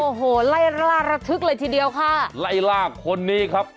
โอ้โหไล่ล่าระทึกเลยทีเดียวค่ะไล่ล่าคนนี้ครับ